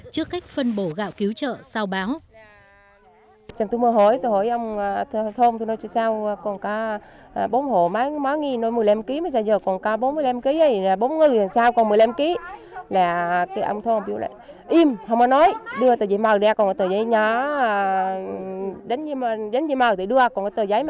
trước cách phát triển của các tổ chức cá nhân